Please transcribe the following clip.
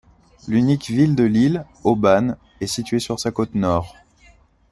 L'unique ville de l'île, Oban, est située sur sa côte nord.